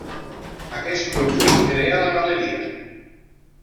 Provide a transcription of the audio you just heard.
Aquest conjunt crea la galeria.